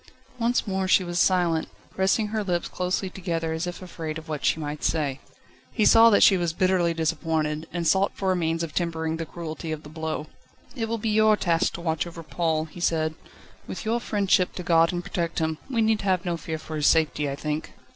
Once more she was silent, pressing her lips closely together, as if afraid of what she might say. He saw that she was bitterly disappointed, and sought for a means of tempering the cruelty of the blow. "It will be your task to watch over Paul," he said; "with your friendship to guard and protect him, we need have no fear for his safety, I think."